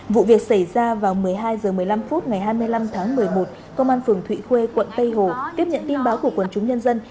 vụ việc xảy ra vào một mươi hai h một mươi năm phút ngày hai mươi năm tháng một mươi một công an phường thụy khuê quận tây hồ tiếp nhận tin báo của quần chúng nhân dân